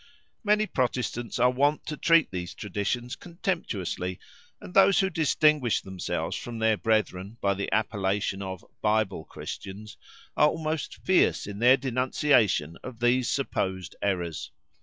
Many Protestants are wont to treat these traditions contemptuously, and those who distinguish themselves from their brethren by the appellation of "Bible Christians" are almost fierce in their denunciation of these supposed errors.